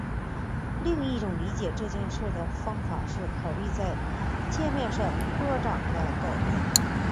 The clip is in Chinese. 另一种理解这件事的方法是考虑在界面上波长的改变。